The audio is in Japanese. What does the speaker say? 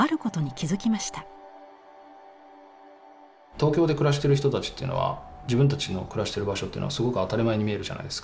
東京で暮らしてる人たちっていうのは自分たちの暮らしてる場所っていうのはすごく当たり前に見えるじゃないですか。